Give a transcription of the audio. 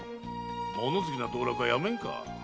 もの好きな道楽はやめんか。